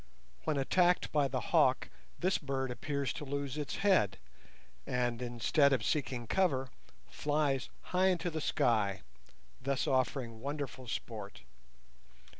When attacked by the hawk this bird appears to lose its head, and, instead of seeking cover, flies high into the sky, thus offering wonderful sport.